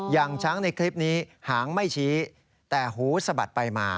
อย่างช้างในคลิปนี้หางไม่ชี้แต่หูสะบัดไปมา